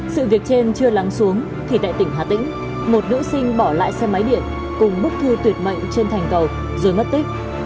sự việc trên chưa lắng xuống thì tại tỉnh hà tĩnh một nữ sinh bỏ lại xe máy điện cùng bức thư tuyệt mệnh trên thành cầu rồi mất tích